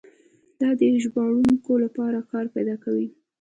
دا د ژباړونکو لپاره کار پیدا کوي.